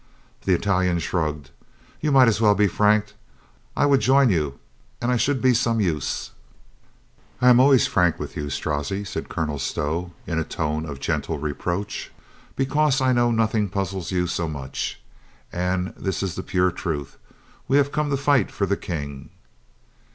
The Italian shrugged. "You might as well be frank. I would join you, and I should be some use." "I am always frank with you, Strozzi," said Colonel Stow in a tone of gentle reproach, "because I know nothing puzzles you so much. And this is the pure truth: We have come to fight for the King."